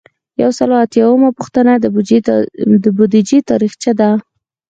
یو سل او اتیایمه پوښتنه د بودیجې تاریخچه ده.